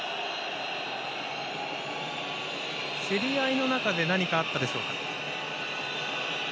競り合いの中で何かあったでしょうか。